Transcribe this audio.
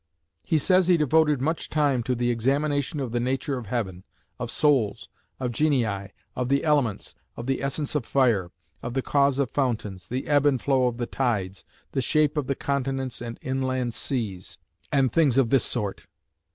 He says he devoted much time "to the examination of the nature of heaven, of souls, of genii, of the elements, of the essence of fire, of the cause of fountains, the ebb and flow of the tides, the shape of the continents and inland seas, and things of this sort".